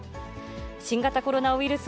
新型コロナウイルス